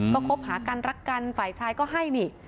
ก็คบหากันรักกันฝ่ายชายก็ให้นี่